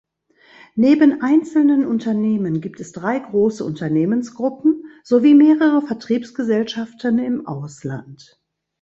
Neben einzelnen Unternehmen gibt es drei grosse Unternehmensgruppen sowie mehrere Vertriebsgesellschaften im Ausland.